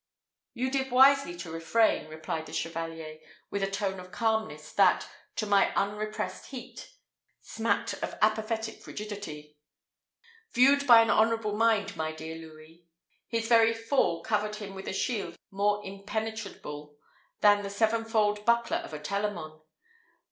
"You did wisely to refrain," replied the chevalier, with a tone of calmness that, to my unrepressed heat, smacked of apathetic frigidity. "Viewed by an honourable mind, my dear Louis, his very fall covered him with a shield more impenetrable than the sevenfold buckler of Telamon.